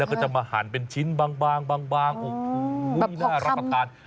ก็จะมาหันเป็นชิ้นบางน่ารับประทาน